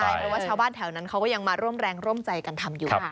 เพราะว่าชาวบ้านแถวนั้นเขาก็ยังมาร่วมแรงร่วมใจกันทำอยู่ค่ะ